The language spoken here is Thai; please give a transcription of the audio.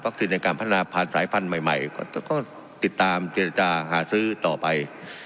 ในการพัฒนาผ่านสายพันธุ์ใหม่ก็ติดตามเจรจาหาซื้อต่อไป